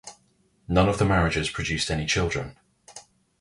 None of the marriages produced any children.